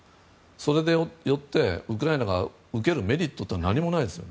それによってウクライナが受けるメリットは何もないですよ。